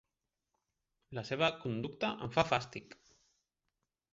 La seva conducta em fa fàstic.